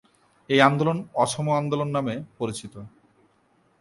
এই আন্দোলন অসম আন্দোলন নামে পরিচিত।